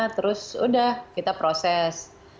terus udah kita proses